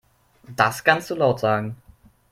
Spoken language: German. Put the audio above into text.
Das kannst du laut sagen.